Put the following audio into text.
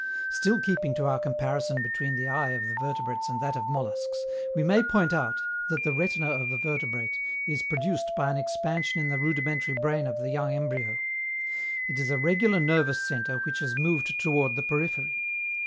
Still keeping to our comparison between the eye of vertebrates and that of molluscs, we may point out that the retina of the vertebrate is produced by an expansion in the rudimentary brain of the young embryo. It is a regular nervous centre which has moved toward the periphery.